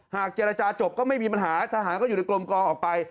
เจรจาจบก็ไม่มีปัญหาทหารก็อยู่ในกลมกองออกไป